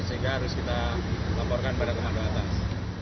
sehingga harus kita laporkan pada komando atas